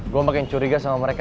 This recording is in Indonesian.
gue makin curiga sama mereka